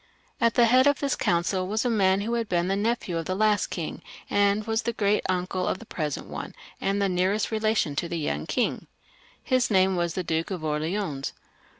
At the head of this council was a man who had been the nephew of the last king, and was the great uncle of the present one, and the \ nearest relation of the yoimg king. His name was the \ Duke of Orleans.